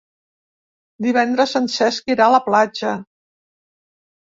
Divendres en Cesc irà a la platja.